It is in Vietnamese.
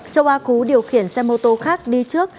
châu ba cú điều khiển xe mô tô khác đi trước